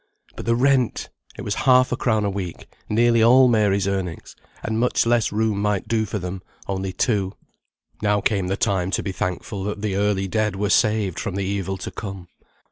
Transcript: But the rent! It was half a crown a week nearly all Mary's earnings and much less room might do for them, only two. (Now came the time to be thankful that the early dead were saved from the evil to come.)